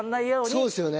そうですよね。